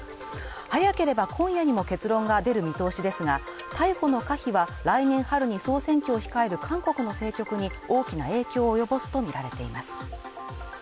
早ければ今夜にも結論が出る見通しですが逮捕の可否は来年春に総選挙を控える韓国の政局に大きな影響を及ぼすと見られています